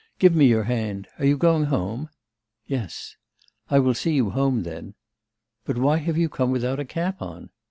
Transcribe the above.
Give me your hand. Are you going home?' 'Yes.' 'I will see you home then.' 'But why have you come without a cap on?